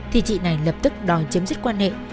thì chị này lập tức đòi chấm dứt quan hệ